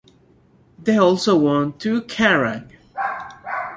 They also won two Kerrang!